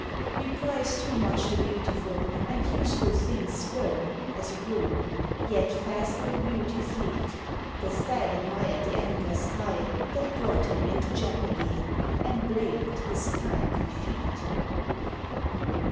We prize too much the beautiful, And useful things spurn (as a rule); Yet fast will beauty fleet. The Stag admired the antlers high, That brought him into jeopardy, And blamed his kindly feet.